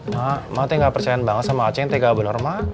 mak mak tuh gak percaya banget sama haceng teh gak bener mak